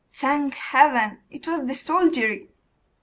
Thank Heaven! it was the soldiery.